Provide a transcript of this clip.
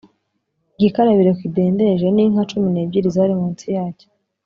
igikarabiro kidendeje n’inka cumi n’ebyiri zari munsi yacyo,